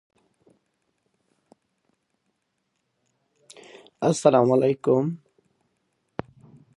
هنر د انساني خلاقیت، نوښت او ابتکار له لارې د فکر پراختیا کوي.